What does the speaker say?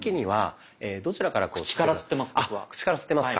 あ口から吸ってますか。